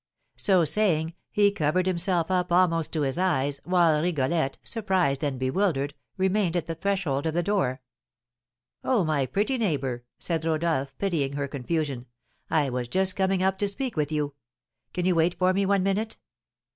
So saying, he covered himself up almost to his eyes, while Rigolette, surprised and bewildered, remained at the threshold of the door. "Oh, my pretty neighbour," said Rodolph, pitying her confusion, "I was just coming up to speak with you. Can you wait for me one minute?"